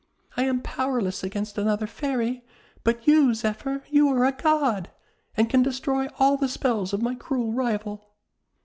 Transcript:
I am powerless against another Fairy, but you, Zephyr, you are a God, and can destroy all the spells of my cruel rival!"